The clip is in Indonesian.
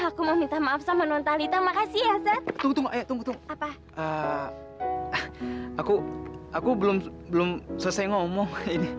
hai aku meminta maaf sama non tanda makasih jasa tunt install apa aku aku belum belom selesai ngomong